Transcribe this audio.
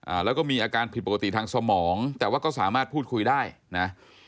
อ่าแล้วก็มีอาการผิดปกติทางสมองแต่ว่าก็สามารถพูดคุยได้นะ